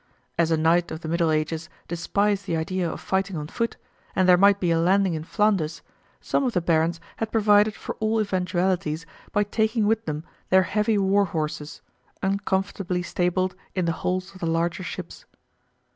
As a knight of the Middle Ages despised the idea of fighting on foot, and there might be a landing in Flanders, some of the barons had provided for all eventualities by taking with them their heavy war horses, uncomfortably stabled in the holds of the larger ships.